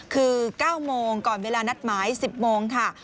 คือ๙โมงก่อนเวลานัดหมาย๑๐โมงค่ะ